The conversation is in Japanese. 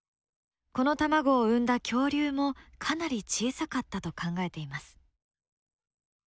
この卵を産んだ恐竜もかなり小さかったと考えています。